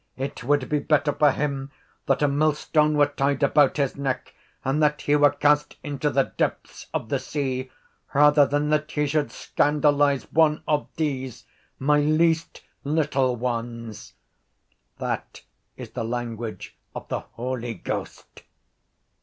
_It would be better for him that a millstone were tied about his neck and that he were cast into the depths of the sea rather than that he should scandalise one of these, my least little ones._ That is the language of the Holy Ghost.